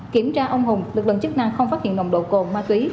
kiểm tra ông hùng lực lượng chức năng không phát hiện nồng độ cồn ma túy